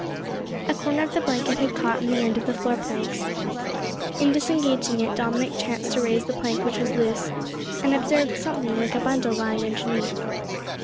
A corner of the blanket had caught on the end of one of the floor planks. In disengaging it Dominick chanced to raise the plank which was loose, and observed something like a bundle lying underneath.